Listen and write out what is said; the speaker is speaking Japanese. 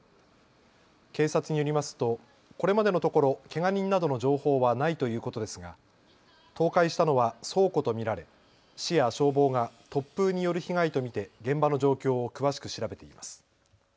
警察によりますとこれまでのところ、けが人などの情報はないということですが倒壊したのは倉庫と見られ市や消防が突風による被害と見て現場の状況を詳しく調べています。